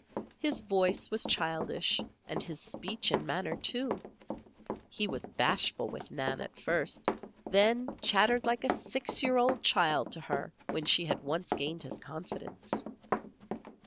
His voice was childish, and his speech and manner, too. He was bashful with Nan at first; then chattered like a six year old child to her when she had once gained his confidence.